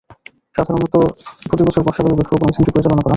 সাধারণত প্রতিবছর বর্ষাকালে বৃক্ষরোপণ অভিযানটি পরিচালনা করা হয়।